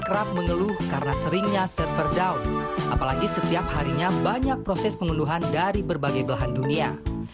kerap mengeluh karena seringnya server down apalagi setiap harinya banyak proses pengunduhan dari berbagai belahan dunia